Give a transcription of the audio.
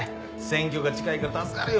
選挙が近いから助かるよ。